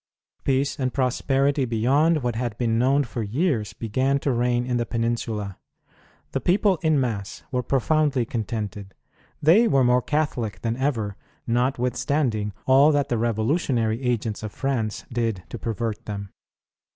Peace and prosperity beyond what had been known for years began to reign in the Peninsula. The people in mass were profoundly contented. They were more Catholic than ever, notwithstanding all that the revolu tionary agents of France did to pervert them.